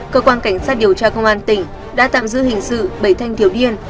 cơ quan cảnh sát điều tra công an tỉnh đã tạm giữ hình sự bảy thanh thiếu niên